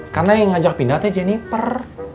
karena yang ngajak pindah tadi jennifer